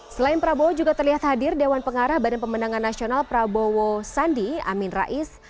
selain prabowo juga terlihat hadir dewan pengarah badan pemenangan nasional prabowo sandi amin rais